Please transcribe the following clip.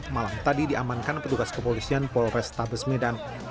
malam tadi diamankan pedugas kepolisian polres tabes medan